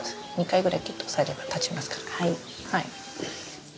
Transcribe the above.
２回ぐらいきゅっと押さえれば立ちますから。